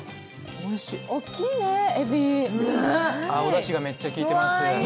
おだしがめっちゃ効いてます。